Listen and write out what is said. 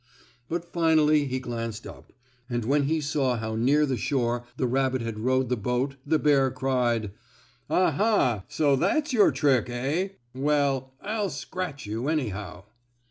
But finally he glanced up, and when he saw how near the shore the rabbit had rowed the boat the bear cried: "Ah! ha! So that's your trick, eh? Well, I'll scratch you, anyhow."